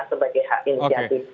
sebagai hak inisiatif